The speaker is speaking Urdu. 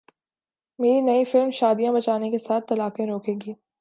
میری نئی فلم شادیاں بچانے کے ساتھ طلاقیں روکے گی